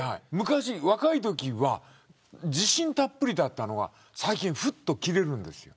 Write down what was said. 若いときは自信たっぷりだったのが最近ふっと切れるんです。